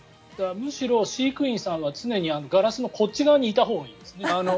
むしろ飼育員さんは常にガラスのこっち側にいたほうがいいですね。